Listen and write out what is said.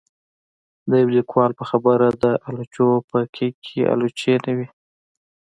د يو ليکوال په خبره د آلوچو په کېک کې آلوچې نه وې